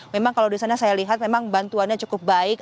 memang kalau di sana saya lihat memang bantuannya cukup baik